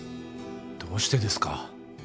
どうしてですか？